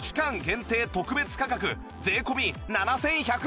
限定特別価格税込７１８０円